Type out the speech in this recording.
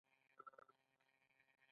چای که هر څومره کم شي بیا هم ارزانه دی.